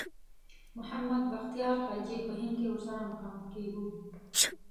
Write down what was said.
محمد بختیار خلجي په هند کې ورسره مخامخ کیږو.